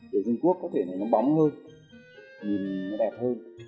thì đồ chung quốc có thể nó bóng hơn nhìn nó đẹp hơn